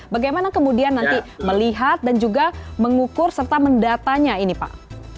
bagaimana kemudian nanti melihat dan juga mengukur serta mendatanya ini pak